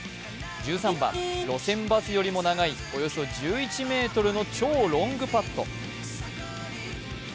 １３番、路線バスよりも長いおよそ１１ｍの超ロングパット。